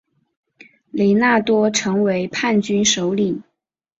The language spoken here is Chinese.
雷纳多成为叛军首领。